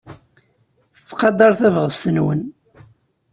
Tettqadar tabɣest-nwen.